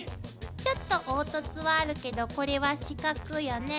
ちょっと凹凸はあるけどこれは四角よね。